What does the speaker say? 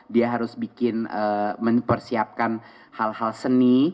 dia harus bikin mempersiapkan hal hal seni